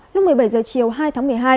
lúc một mươi bảy h chiều hai tháng một mươi hai